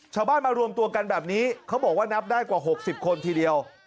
มารวมตัวกันแบบนี้เขาบอกว่านับได้กว่า๖๐คนทีเดียว